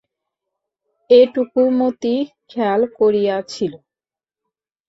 এটুকু মতি খেয়াল করিয়াছিল।